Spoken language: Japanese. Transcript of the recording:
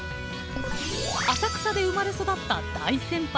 浅草で生まれ育った大先輩。